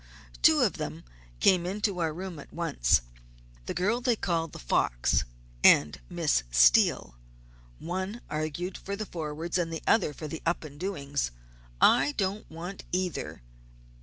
"Two of them came into our room at once the girl they call The Fox, and Miss Steele. One argued for the Forwards and the other for the Up and Doings. I don't want either."